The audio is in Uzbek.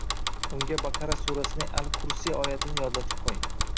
Unga “Baqara” surasining “al-Kursiy” oyatini yodlatib qo‘ying.